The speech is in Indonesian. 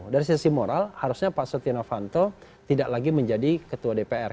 dari sisi moral harusnya pak setia novanto tidak lagi menjadi ketua dpr